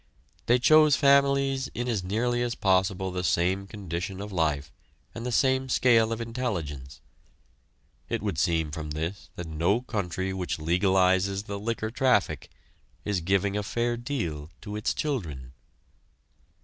They chose families in as nearly as possible the same condition of life and the same scale of intelligence. It would seem from this that no country which legalizes the liquor traffic is giving a fair deal to its children!